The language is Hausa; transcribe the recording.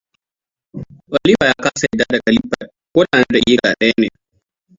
Olivar ya kasa yadda da Khalifat ko da na dakika daya.